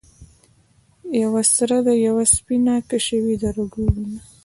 یوه سره ده یوه سپینه ـ کشوي د رګو وینه